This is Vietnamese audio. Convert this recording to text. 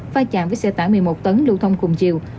pha chạm với xe tải một mươi một tấn lưu thông cùng chiều